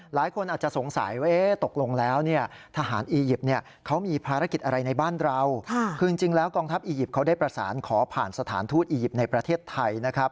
หลายคนอาจจะสงสัยว่าตกลงแล้วเนี่ยทหารอียิปต์เขามีภารกิจอะไรในบ้านเราคือจริงแล้วกองทัพอียิปต์เขาได้ประสานขอผ่านสถานทูตอียิปต์ในประเทศไทยนะครับ